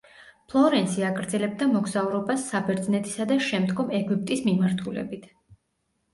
ფლორენსი აგრძელებდა მოგზაურობას საბერძნეთისა და შემდგომ ეგვიპტის მიმართულებით.